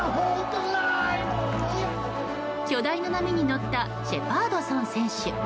巨大な波に乗ったシェパードソン選手。